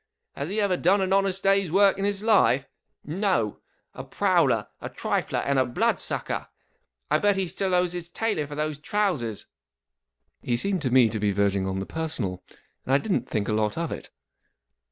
Has he ever done an honest day's work in his life ? No ! A prowler, a trifler, and a blood sucker ! And I bet he still owes his tailor for those trousers !" He seemed to me to be verging on the personal, and I didn't think a lot of it.